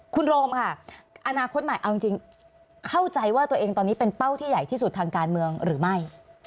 คุณโรมค่ะอนาคตใหม่เอาจริงเข้าใจว่าตัวเองตอนนี้เป็นเป้าที่ใหญ่ที่สุดทางการเมืองหรือไม่